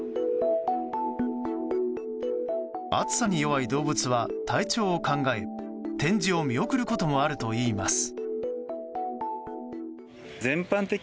暑さに弱い動物は体調を考え、展示を見送ることもあるといいます。